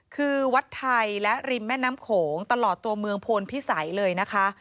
คือวัดไทยและริมแม่น้ำโขงตลอดตัวเมืองพลพิสัยเลยนะคะ